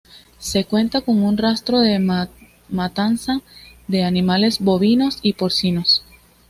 Se cuenta con un rastro de matanza de animales bovinos y porcinos.